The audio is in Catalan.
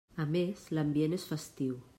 A més, l'ambient és festiu.